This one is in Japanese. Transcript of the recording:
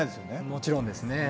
もちろんですね。